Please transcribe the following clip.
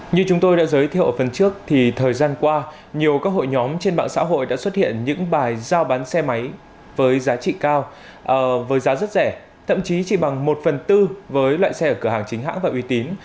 như chúng tôi đã giới thiệu ở phần trước thì thời gian qua nhiều các hội nhóm trên mạng xã hội đã xuất hiện những bài giao bán xe máy với giá trị cao với giá rất rẻ thậm chí chỉ bằng một phần tư với loại xe ở cửa hàng chính hãng và uy tín